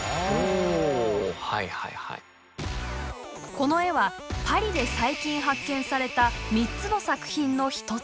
この絵はパリで最近発見された３つの作品の１つ。